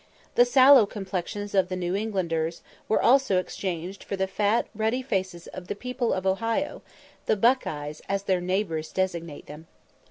The sallow complexions of the New Englanders were also exchanged for the fat ruddy faces of the people of Ohio, the "Buckeyes," as their neighbours designate them.